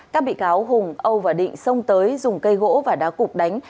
các bị cáo hùng âu và định xông tới dùng cây gỗ và đá cục đánh